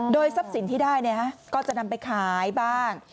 ทรัพย์สินที่ได้ก็จะนำไปขายบ้าง